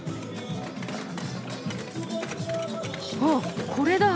あっこれだ。